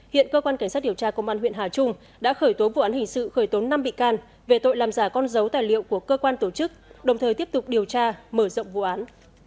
hiện cơ quan cảnh sát điều tra công an huyện hà trung đã khởi tố vụ án hình sự khởi tố năm bị can về tội làm giả con dấu tài liệu của cơ quan tổ chức đồng thời tiếp tục điều tra mở rộng vụ án